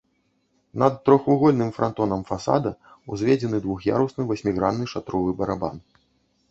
Над трохвугольным франтонам фасада ўзведзены двух'ярусны васьмігранны шатровы барабан.